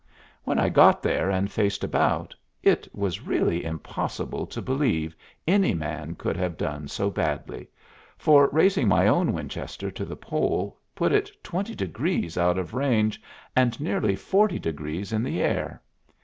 When I got there and faced about, it was really impossible to believe any man could have done so badly, for raising my own Winchester to the pole put it twenty degrees out of range and nearly forty degrees in the air.